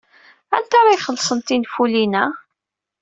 Anta ara ixellṣen tinfulin-a?